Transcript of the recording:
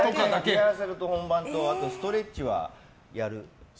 リハーサルと本番とあとストレッチはやる。